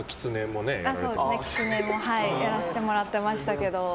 やらせてもらってましたけど。